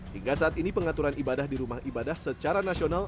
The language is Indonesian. hingga saat ini pengaturan ibadah di rumah ibadah secara nasional